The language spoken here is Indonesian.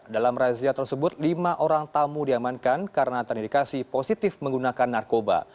dalam razia tersebut lima orang tamu diamankan karena terindikasi positif menggunakan narkoba